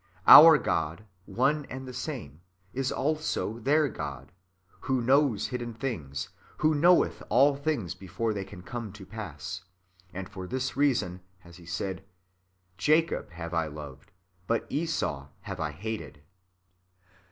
Our God, one and the same, is also their God, who knows hidden things, who knoweth all things before they can come to pass ; and for this reason has He said, " Jacob have I loved, but Esau have I hated."